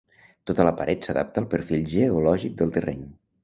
Tota la paret s'adapta al perfil geològic del terreny.